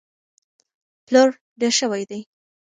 پلور ډېر شوی دی.